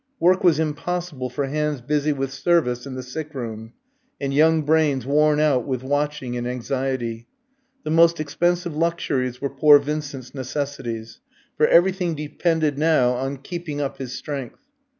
Work was impossible for hands busy with service in the sick room, and young brains worn out with watching and anxiety. The most expensive luxuries were poor Vincent's necessities; for everything depended now on keeping up his strength.